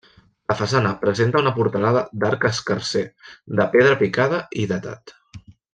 La façana presenta una portalada d'arc escarser, de pedra picada i datat.